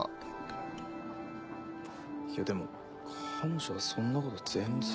いやでも彼女はそんなこと全然。